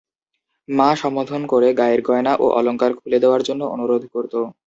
মা সম্বোধন করে গায়ের গয়না ও অলংকার খুলে দেওয়ার জন্য অনুরোধ করত।